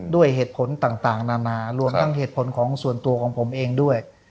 ด้วยเหตุผลต่างนานารวมทั้งเหตุผลของส่วนตัวของผมเองด้วย